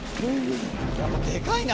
やっぱデカいな！